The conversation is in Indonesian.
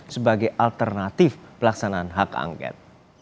sebagai alternatif pelaksanaan hak angket